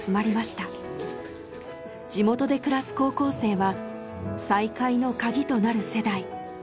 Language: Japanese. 地元で暮らす高校生は再開の鍵となる世代。